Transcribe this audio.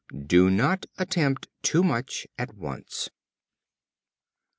Do not attempt too much at once.